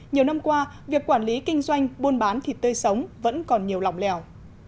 nhiều năm qua việc quản lý kinh doanh buôn bán thịt tươi sống vẫn còn nhiều lòng lèo